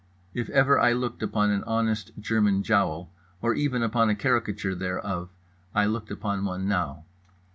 If ever I looked upon an honest German jowl, or even upon a caricature thereof, I looked upon one now.